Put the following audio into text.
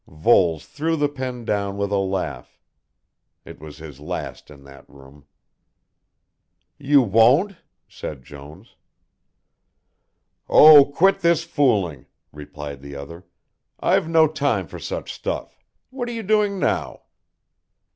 Voles threw the pen down with a laugh it was his last in that room. "You won't?" said Jones. "Oh, quit this fooling," replied the other. "I've no time for such stuff what are you doing now?"